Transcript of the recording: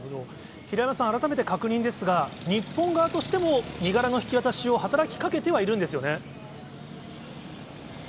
平山さん、改めて確認ですが、日本側としても身柄の引き渡しを働きかけてはいるんですよね。